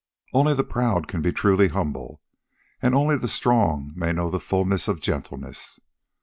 Only the proud can be truly humble, as only the strong may know the fullness of gentleness.